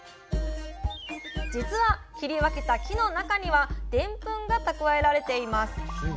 実は切り分けた木の中にはでんぷんが蓄えられています。